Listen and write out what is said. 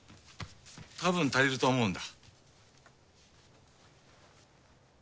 たぶん足りると思うんだ。